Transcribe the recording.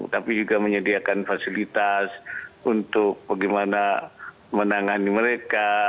tapi juga menyediakan fasilitas untuk bagaimana menangani mereka